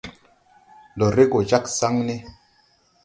Ndo re go jāg saŋ ne.